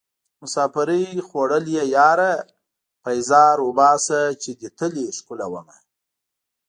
مسافرۍ خوړليه ياره پيزار اوباسه چې دې تلې ښکلومه